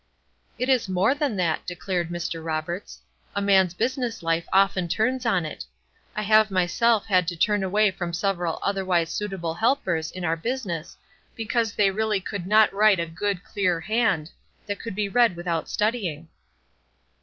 "It is more than that!" declared Mr. Roberts. "A man's business life often turns on it. I have myself had to turn away from several otherwise suitable helpers in our business because they really could not write a good, clear hand, that could be read without studying."